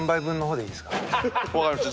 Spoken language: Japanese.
わかりました。